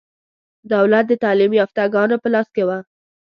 دولت د تعلیم یافته ګانو په لاس کې و.